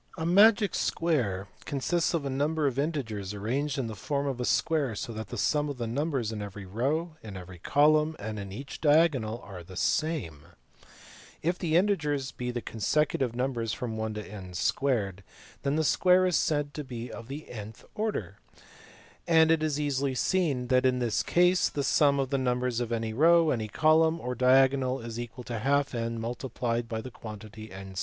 121 A magic square* consists of a number of integers arranged in the form of a square so that the sum of the numbers in every row, in every column, and in each diagonal is the same. If the integers be the consecutive numbers from 1 to n 2 , the square is said to be of the nth order, and it is easily seen that in this case the sum of the numbers in any row, column, or diagonal is equal to \n (n 2 +1).